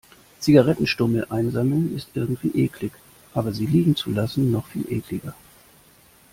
Zigarettenstummel einsammeln ist irgendwie eklig, aber sie liegen zu lassen, noch viel ekliger.